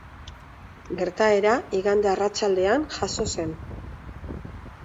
Gertaera igande arratsaldean jazo zen.